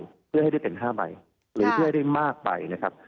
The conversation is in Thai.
ไม่ได้เป็น๕ใบหรือจะได้มากใบนะครับ